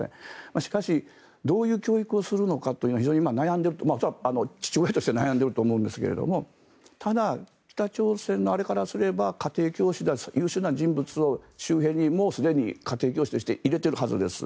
しかし、どういう教育をするのかというのは非常に今、悩んでいると恐らく父親として悩んでいると思うんですがただ、北朝鮮からすれば家庭教師や優秀な人物を周辺にもうすでに家庭教師として入れているはずです。